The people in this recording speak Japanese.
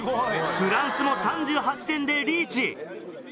フランスも３８点でリーチ。